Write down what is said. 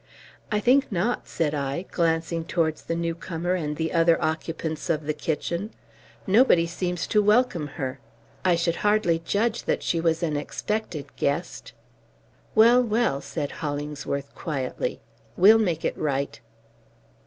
"I think not," said I, glancing towards the new comer and the other occupants of the kitchen. "Nobody seems to welcome her. I should hardly judge that she was an expected guest." "Well, well," said Hollingsworth quietly, "We'll make it right."